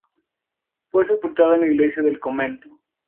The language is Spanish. Fue sepultado en la iglesia del convento.